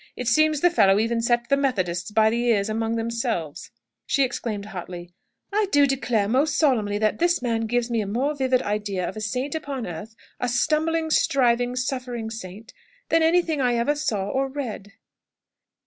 It seems the fellow even set the Methodists by the ears among themselves," she exclaimed hotly, "I do declare most solemnly that this man gives me a more vivid idea of a saint upon earth a stumbling, striving, suffering saint than anything I ever saw or read."